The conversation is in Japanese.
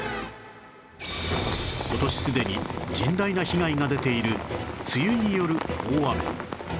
今年すでに甚大な被害が出ている梅雨による大雨